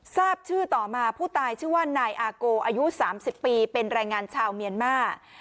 ทราบชื่อต่อมาผู้ตายชื่อว่านายอาโกอายุ๓๐ปีเป็นแรงงานชาวเมียนมาร์